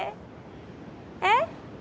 えっ？